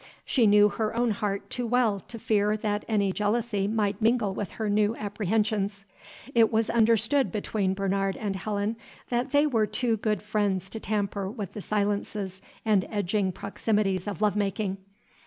She knew her own heart too well to fear that any jealousy might mingle with her new apprehensions. It was understood between Bernard and Helen that they were too good friends to tamper with the silences and edging proximities of lovemaking.